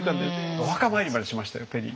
お墓参りまでしましたよペリー。